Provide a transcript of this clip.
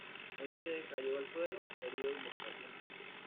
Éste cayó al suelo, herido mortalmente.